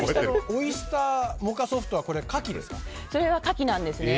オイスター☆モカソフトはカキですか？